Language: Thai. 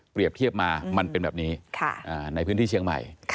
เทียบมามันเป็นแบบนี้ในพื้นที่เชียงใหม่